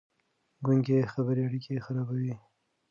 ګونګې خبرې اړيکې خرابوي.